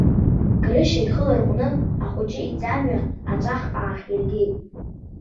Грышьа ихы ларҟәны ахәыҷы иӡамҩа аҵәах аахиргеит.